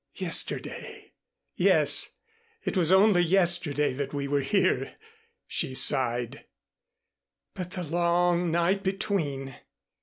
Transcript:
"Yesterday. Yes, it was only yesterday that we were here," she sighed. "But the long night between!"